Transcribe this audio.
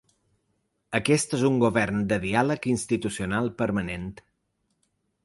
Aquest és un govern de diàleg institucional permanent.